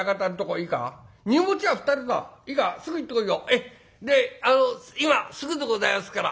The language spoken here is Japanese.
ええであの今すぐでございますから」。